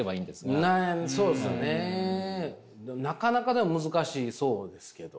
なかなかでも難しそうですけど。